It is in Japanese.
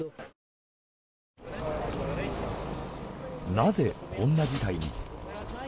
なぜ、こんな事態に。